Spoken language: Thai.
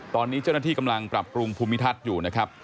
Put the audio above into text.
ตอนนี้เจ้าหน้าที่กำลังปรับปรุงภูมิทัศน์อยู่นะครับ